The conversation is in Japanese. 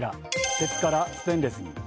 鉄からステンレスに。